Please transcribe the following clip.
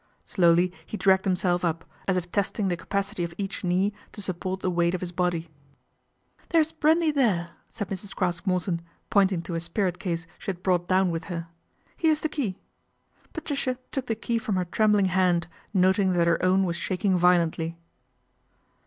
Slowly he dragged himself up, as if testing the capacity of each knee to support the weight of his body. " There's brandy there," said Mrs. Craske Morton, pointing to a spirit case she had brought down with her. " Here's the key." Patricia took the key from her trembling hand, noting that her own was shaking violently.